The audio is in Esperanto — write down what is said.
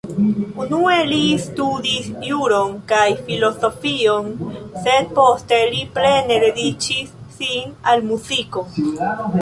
Unue li studis juron kaj filozofion, sed poste li plene dediĉis sin al muziko.